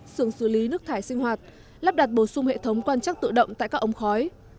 sườn xử lý nước thải sinh hoạt lắp đặt bổ sung hệ thống quan chắc tự động tại các ống khói